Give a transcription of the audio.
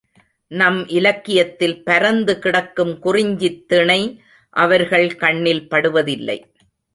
நம் இலக்கியத்தில் பரந்து கிடக்கும் குறிஞ்சித் திணை அவர்கள் கண்ணில் படுவதில்லை.